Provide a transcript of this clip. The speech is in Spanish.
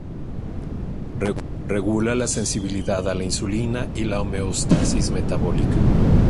Regula la sensibilidad a la insulina y la homeostasis metabólica.